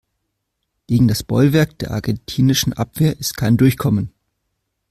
Gegen das Bollwerk der argentinischen Abwehr ist kein Durchkommen.